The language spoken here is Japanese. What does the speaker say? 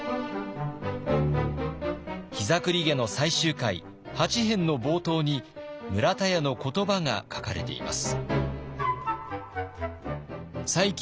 「膝栗毛」の最終回８編の冒頭に村田屋の言葉が書かれています。